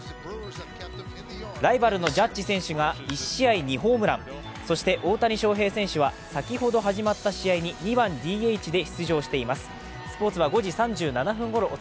ライバルのジャッジ選手が１試合２ホームラン、そして大谷翔平選手は、先ほど始まった試合に２番・ＤＨで出場しています。